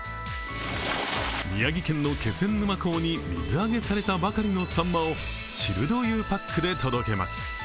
宮城県の気仙沼港に水揚げされたばかりのさんまをチルドゆうパックで届けます。